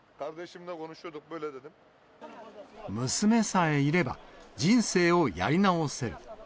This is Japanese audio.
娘さえいれば、人生をやり直せる。